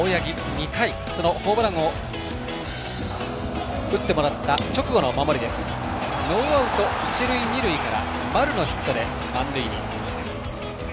２回、そのホームランを打ってもらった直後の守りノーアウト、一塁二塁から丸のヒットで満塁に。